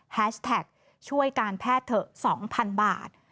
แฮชแท็กช่วยการแพทย์เถอะ๒๐๐๐บาท